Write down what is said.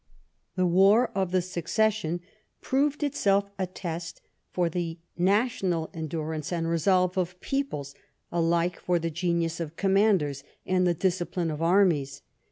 The War of the Succession proved itself a test for the national endurance and resolve of peoples, alike for the genius of commanders and the discipline of armies.